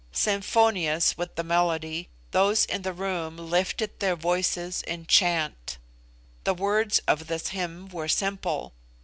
Symphonious with the melody, those in the room lifted their voices in chant. The words of this hymn were simple.